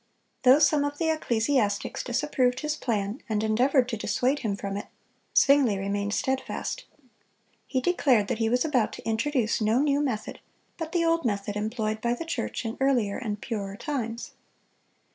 (249) Though some of the ecclesiastics disapproved his plan, and endeavored to dissuade him from it, Zwingle remained steadfast. He declared that he was about to introduce no new method, but the old method employed by the church in earlier and purer times.